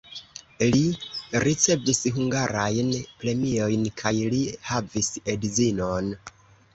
Li ricevis hungarajn premiojn kaj li havis edzinon.